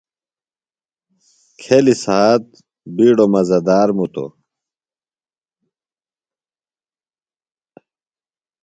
کھیلیُ سھات بِیڈوۡ مزہ دار مُتوۡ۔